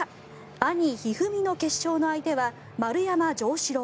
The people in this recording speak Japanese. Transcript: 兄・一二三の決勝の相手は丸山城志郎。